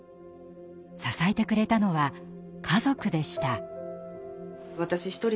支えてくれたのは家族でした。